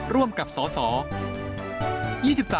ร่วมกับสส